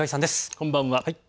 こんばんは。